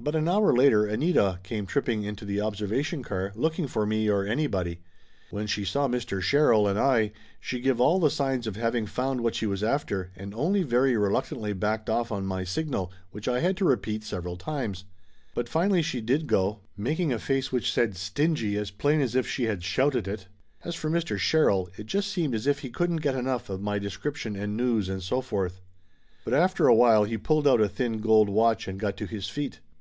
About an hour later Anita came tripping into the observation car, looking for me or anybody. When she saw Mr. Sherrill and I, she give all the signs of having found what she was after, and only very reluctantly backed off on my signal, which I had to repeat several times. But finally she did go, making 68 Laughter Limited a face which said "Stingy" as plain as if she had shouted it. As for Mr. Sherrill, it just seemed as if he couldn't get enough of my description and news and so forth. But after a while he pulled out a thin gold watch and got to his feet.